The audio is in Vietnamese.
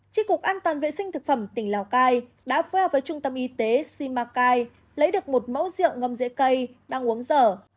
tri cục an toàn vệ sinh thực phẩm tỉnh lào cai đã phối hợp với trung tâm y tế simacai lấy được một mẫu rượu ngâm dễ cây đang uống dở